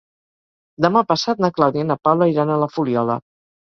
Demà passat na Clàudia i na Paula iran a la Fuliola.